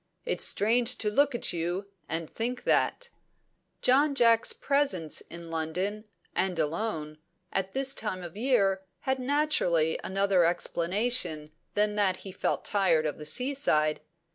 It's strange to look at you, and think that!" John Jacks' presence in London, and alone, at this time of the year had naturally another explanation than that he felt tired of the seaside.